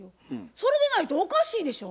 それでないとおかしいでしょ？